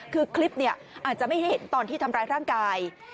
คือคลิปเนี่ยอาจจะไม่ให้เห็นตอนที่ทำร้ายร่างกาย